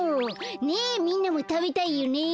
ねえみんなもたべたいよね？